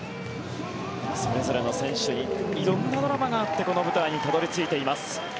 それぞれの選手に色んなドラマがあってこの舞台にたどり着いています。